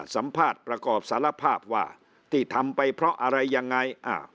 สัมภาษณ์ประกอบสารภาพว่าที่ทำไปเพราะอะไรยังไง